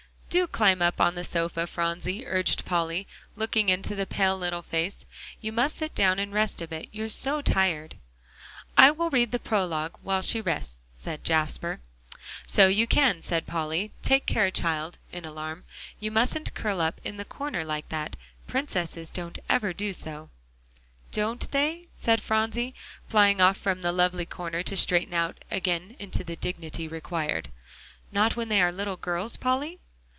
"Do climb up on the sofa, Phronsie," urged Polly, looking into the pale little face, "you must sit down and rest a bit, you're so tired." "I will read the prologue while she rests," said Jasper. "So you can," said Polly. "Take care, child," in alarm, "you mustn't curl up in the corner like that; princesses don't ever do so." "Don't they?" said Phronsie, flying off from the lovely corner, to straighten out again into the dignity required; "not when they are little girls, Polly?"